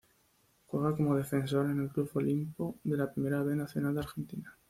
Juega como defensor en el Club Olimpo de la Primera B Nacional de Argentina.